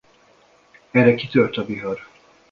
Erre kitört a vihar.